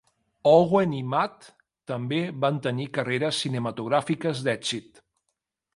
Owen i Matt també van tenir carreres cinematogràfiques d'èxit.